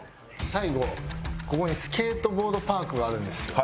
最後ここにスケートボードパークがあるんですよ。